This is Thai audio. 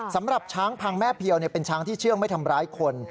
สำหรับช้างพังแม่เพียวเป็นช้างที่เชื่องไม่ทำร้ายคน